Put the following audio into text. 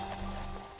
dengan penungguan peniru